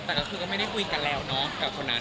แต่ก็คือก็ไม่ได้คุยกันแล้วเนาะกับคนนั้น